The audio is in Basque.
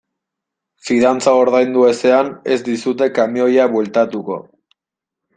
Fidantza ordaindu ezean ez dizute kamioia bueltatuko.